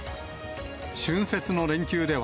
春節の連休では、